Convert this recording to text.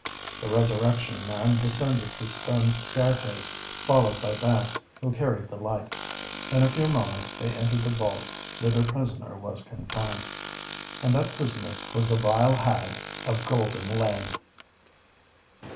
The Resurrection Man descended the stone staircase, followed by Banks, who carried the light. In a few moments they entered the vault where their prisoner was confined. And that prisoner was the vile hag of Golden Lane!